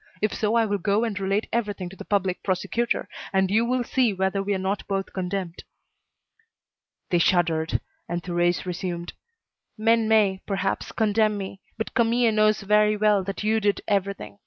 If so I will go and relate everything to the Public Prosecutor, and you will see whether we are not both condemned." They shuddered, and Thérèse resumed: "Men may, perhaps, condemn me, but Camille knows very well that you did everything.